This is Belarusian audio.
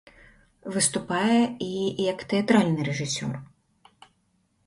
Выступае і як тэатральны рэжысёр.